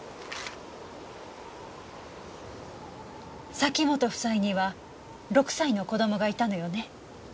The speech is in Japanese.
崎本夫妻には６歳の子供がいたのよね？